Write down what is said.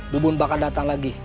bu bun bakal datang lagi